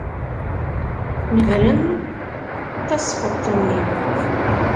Nebren tasfeḍt-nni.